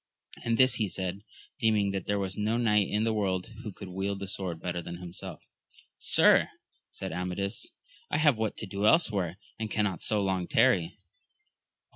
And this he said, deeming that there was no knight in the world who could wield the sword bett^ than himself. Sir, answered Amadis, I have what to do elsewhere, and cannot so long tarry.